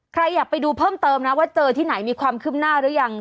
ใครอยากไปดูเพิ่มเติมนะว่าเจอที่ไหนมีความคืบหน้าหรือยัง